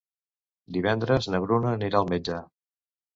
Divendres na Bruna anirà al metge.